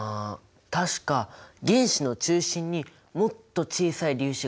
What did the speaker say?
確か原子の中心にもっと小さい粒子があったんだよね。